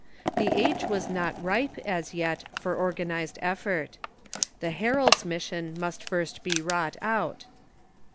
The age was not ripe, as yet, for or ganized effort. The herald's mission must first be wrought out.